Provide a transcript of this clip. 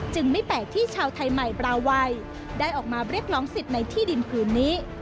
ไม่แปลกที่ชาวไทยใหม่บราวัยได้ออกมาเรียกร้องสิทธิ์ในที่ดินคืนนี้